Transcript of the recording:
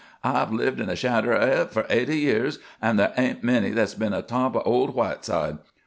"I've lived in the shadder of hit for eighty year, an' ther' ain't many that's been atop o' old Whiteside.